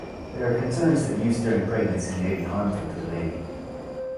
There are concerns that use during pregnancy may be harmful to the baby.